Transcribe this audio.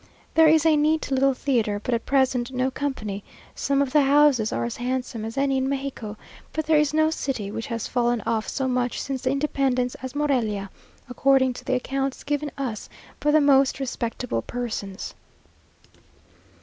There is a neat little theatre, but at present no company. Some of the houses are as handsome as any in Mexico, but there is no city which has fallen off so much since the Independence as Morelia, according to the accounts given us by the most respectable persons.